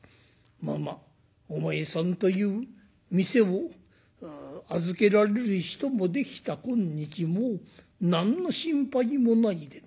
まあまあお前さんという店を預けられる人もできた今日もう何の心配もないでな。